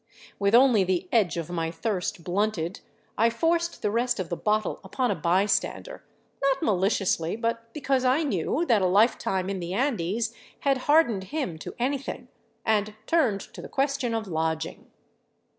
With only the edge of my thirst blunted, I forced the rest of the bottle upon a bystander, not maliciously, but because I knew that a life time in the Andes had hardened him to anything; and turned to the question of lodging.